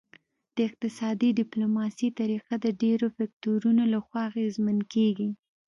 د اقتصادي ډیپلوماسي طریقه د ډیرو فکتورونو لخوا اغیزمن کیږي